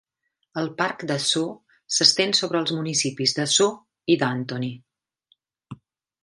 El Parc de Sceaux s'estén sobre els municipis de Sceaux i d'Antony.